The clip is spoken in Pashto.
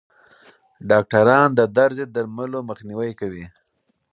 ډاکټران د درد ضد درملو مخنیوی کوي.